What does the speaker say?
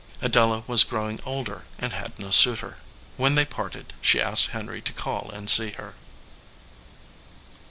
Adela was growing older and had no suitor. When they parted, she asked Henry to call and see her.